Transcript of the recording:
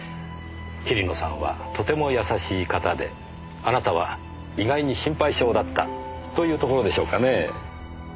桐野さんはとても優しい方であなたは意外に心配性だったというところでしょうかねぇ。